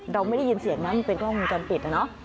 เราไม่ได้ยินเสียงนะมันเป็นกล้องวงจรปิดนะเนาะ